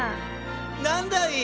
何だい！